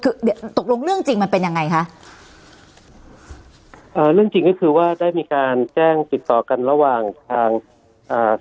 คือเดี๋ยวตกลงเรื่องจริงมันเป็นยังไงคะเอ่อเรื่องจริงก็คือว่าได้มีการแจ้งติดต่อกันระหว่างทางอ่า